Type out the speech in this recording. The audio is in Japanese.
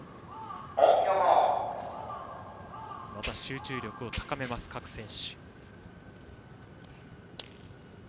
また集中力を高めます、各選手。